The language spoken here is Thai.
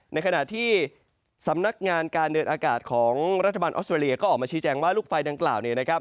ในขณะที่สำนักงานการเดินอากาศของรัฐบาลออสเตรเลียก็ออกมาชี้แจงว่าลูกไฟดังกล่าวเนี่ยนะครับ